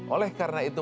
oleh karena itu